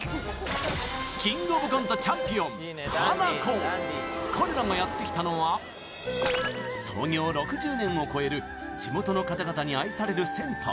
キングオブコントチャンピオンハナコ彼らがやってきたのは創業６０年を超える地元の方々に愛される銭湯